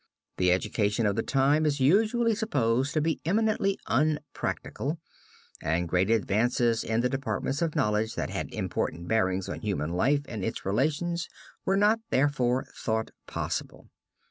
The education of the time is usually supposed to be eminently unpractical, and great advances in the departments of knowledge that had important bearings on human life and its relations were not therefore thought possible.